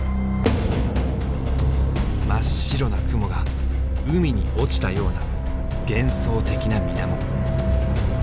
真っ白な雲が海に落ちたような幻想的な水面。